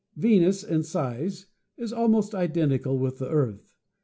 Venus in size is almost identical with the Earth.